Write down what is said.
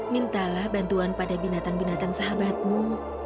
mintalah bantuan pada binatang binatang sahabatmu